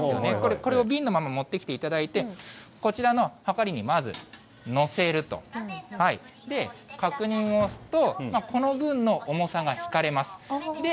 これを瓶のまま持ってきていただいて、こちらのはかりにまず、乗せると、確認を押すと、この分の重さが引かれます。